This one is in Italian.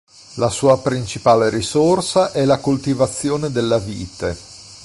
La sua principale risorsa è la coltivazione della vite.